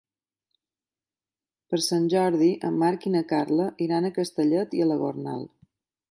Per Sant Jordi en Marc i na Carla iran a Castellet i la Gornal.